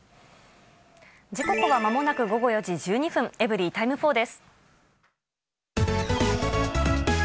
時刻はまもなく午後４時１２分、エブリィタイム４です。